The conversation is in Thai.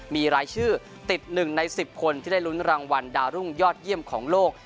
มีรายชื่อติด๑ใน๑๐คนที่ได้ลุ้นรางวัลดาวรุ่งยอดเยี่ยมของโลก